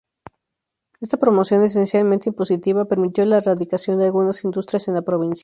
Esta promoción, esencialmente impositiva, permitió la radicación de algunas industrias en la provincia.